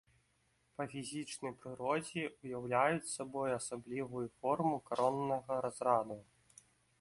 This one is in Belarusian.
Па фізічнай прыродзе ўяўляюць сабой асаблівую форму кароннага разраду.